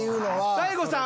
「大悟さん